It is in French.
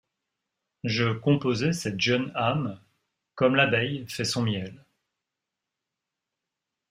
Je composais cette jeune âme Comme l’abeille fait son miel.